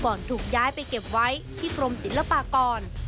ถูกย้ายไปเก็บไว้ที่กรมศิลปากร